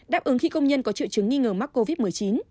đáp ứng khi công nhân có triệu chứng nghi ngờ mắc covid một mươi chín